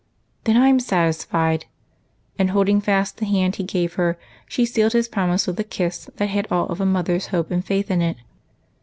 "Then I'm satisfied!" and holding fast the hand he gave her, she sealed his promise with a kiss that had all a mother's hope and faith in it.